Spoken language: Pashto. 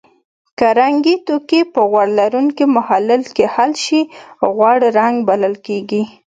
که رنګي توکي په غوړ لرونکي محلل کې حل شي غوړ رنګ بلل کیږي.